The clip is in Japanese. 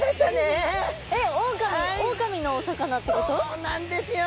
そうなんですよ。